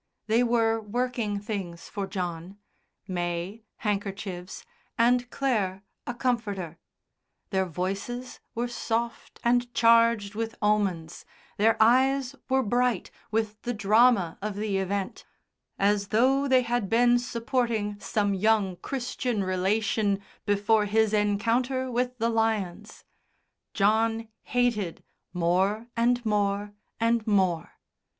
They were working things for John May, handkerchiefs, and Clare, a comforter; their voices were soft and charged with omens, their eyes were bright with the drama of the event, as though they had been supporting some young Christian relation before his encounter with the lions. John hated more and more and more.